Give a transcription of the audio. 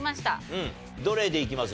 どれでいきます？